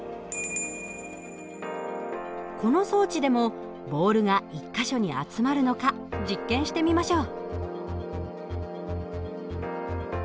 この装置でもボールが１か所に集まるのか実験してみましょう。